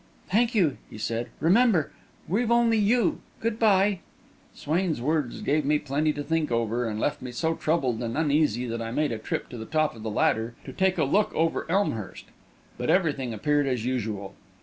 "Thank you," he said. "Remember, we've only you. Good bye." Swain's words gave me plenty to think over, and left me so troubled and uneasy that I made a trip to the top of the ladder to take a look over Elmhurst. But everything appeared as usual.